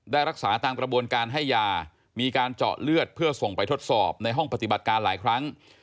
รักษาตามกระบวนการให้ยามีการเจาะเลือดเพื่อส่งไปทดสอบในห้องปฏิบัติการหลายครั้ง